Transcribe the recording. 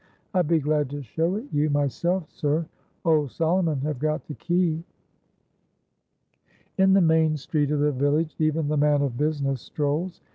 I'd be glad to show it you, myself, sir. Old Solomon have got the key." In the main street of the village even the man of business strolls.